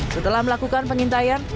setelah melakukan penyintaian